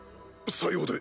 さようで。